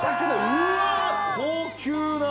うわ高級な！